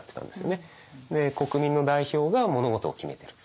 国民の代表が物事を決めてる。